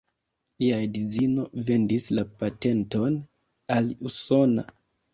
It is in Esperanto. Lia edzino vendis la patenton al usona.